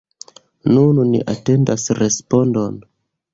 Nun ni atendas respondon.